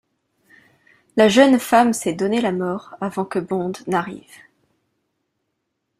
La jeune femme s'est donné la mort avant que Bond n’arrive.